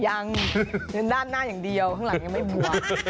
ยังยืนด้านหน้าอย่างเดียวข้างหลังยังไม่บัว